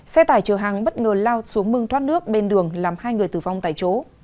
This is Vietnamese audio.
xe tải chở hàng bất ngờ lao xuống mương thoát nước bên đường làm hai người tử vong tại chỗ